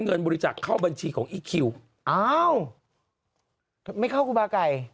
บริจักษ์เข้าบัญชีของอีคคิวอ้าวไม่เข้าครูบาไก่